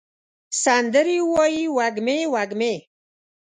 سندرې ووایې وږمې، وږمې